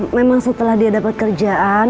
memang setelah dia dapat kerjaan